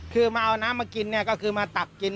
คือมาเอาน้ำมากินเนี่ยก็คือมาตักกิน